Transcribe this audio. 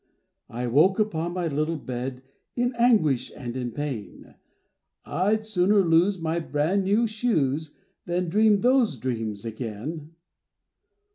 I woke upon my little bed In anguish and in pain. I'd sooner lose my brand new shoes Than dream those dreams again.